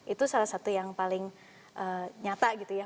itu salah satu yang paling nyata gitu ya